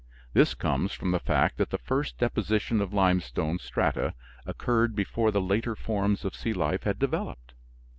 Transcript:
This comes from the fact that the first deposition of limestone strata occurred before the later forms of sea life had developed.